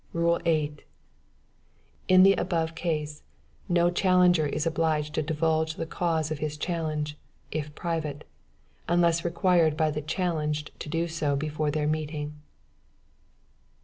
"Rule 8. In the above case, no challenger is obliged to divulge the cause of his challenge, (if private,) unless required by the challenged to do so before their meeting.